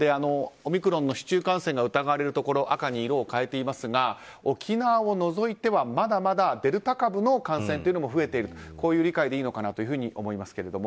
オミクロンの市中感染が疑われるところ赤に色を変えていますが沖縄を除いてはまだまだデルタ株の感染も増えているこういう理解でいいのかなというふうに思いますが。